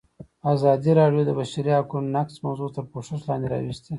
ازادي راډیو د د بشري حقونو نقض موضوع تر پوښښ لاندې راوستې.